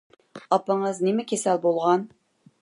ئاپىڭىز نېمە كېسەل بولغان؟